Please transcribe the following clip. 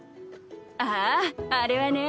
あああれはね。